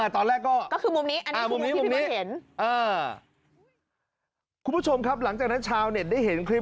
ตอนแรกก็คือมุมนี้อันนี้มุมนี้มุมนี้เห็นคุณผู้ชมครับหลังจากนั้นชาวเน็ตได้เห็นคลิป